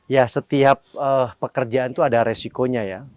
ya setiap pekerjaan itu ada resikonya ya